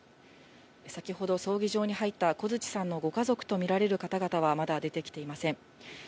先ほど、葬儀場に入った小槌さんのご家族と見られる方々はまだ出てきていません。